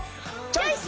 チョイス！